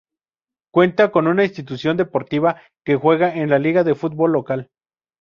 Cuenta con una institución deportiva que juega en la liga de fútbol local.